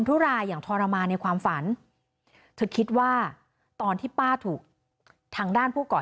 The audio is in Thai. ทุรายอย่างทรมานในความฝันเธอคิดว่าตอนที่ป้าถูกทางด้านผู้ก่อเหตุ